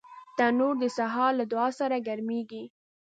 تنور د سهار له دعا سره ګرمېږي